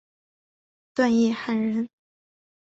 段业汉人。